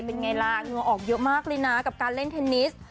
เป็นไงล่ะเหงื่อออกเยอะมากเลยนะกับการเล่นเทนนิส